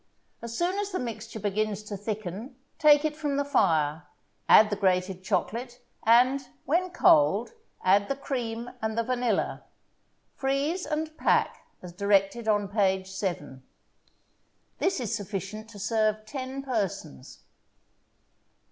As soon as the mixture begins to thicken, take it from the fire, add the grated chocolate, and, when cold, add the cream and the vanilla. Freeze and pack as directed on page 7. This is sufficient to serve ten persons.